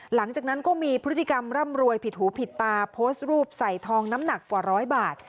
หลังจากนั้นก็มีพฤติกรรมร่ำรวยผิดหูผิดตาโพสต์รูปใส่ทองน้ำหนักกว่าร้อยบาท